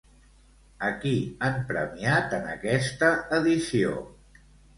A qui han premiat en aquesta edició?